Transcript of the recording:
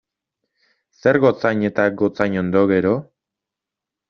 Zer gotzain eta gotzainondo, gero?